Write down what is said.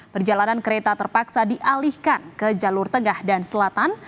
perjalanan kereta terpaksa dialihkan ke jalur tengah dan selatan